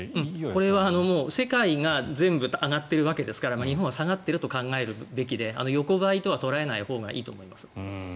これは世界が全部上がっているわけですから日本は下がっていると考えるべきで横ばいとは捉えないほうがいいと思います。